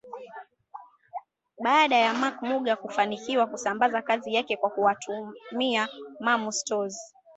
Baada ya Mac Muga kufanikiwa kusambaza kazi zake kwa kuwatumia Mamu Stores